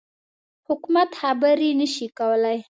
حکومت خبري نه شي کولای.